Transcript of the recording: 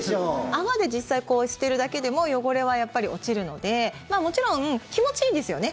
泡で実際こうしてるだけでも汚れはやっぱり落ちるのでもちろん気持ちいいですよね。